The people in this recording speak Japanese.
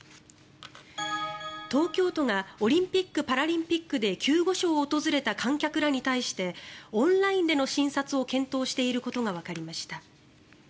東京都がオリンピック・パラリンピックで救護所を訪れた観客らに対してオンラインでの診察を検討していることがわかりました。